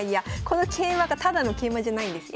この桂馬がただの桂馬じゃないんです。